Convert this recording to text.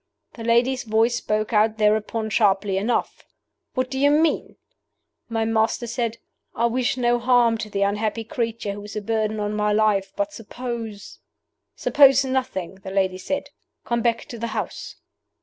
The lady's voice spoke out thereupon sharply enough, 'What do you mean?' My master said, 'I wish no harm to the unhappy creature who is a burden on my life; but suppose ' 'Suppose nothing,' the lady said; 'come back to the house.